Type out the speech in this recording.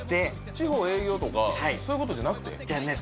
地方営業とかそういうことじゃなくて？じゃないです